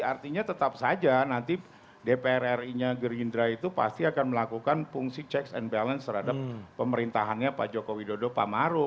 artinya tetap saja nanti dpr ri nya gerindra itu pasti akan melakukan fungsi checks and balance terhadap pemerintahannya pak joko widodo pak maru